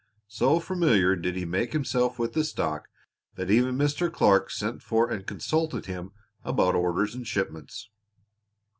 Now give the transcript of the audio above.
So familiar did he make himself with the stock that even Mr. Clark sent for and consulted him about orders and shipments.